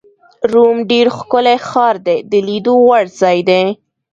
روم ډېر ښکلی ښار دی، د لیدو وړ ځای دی.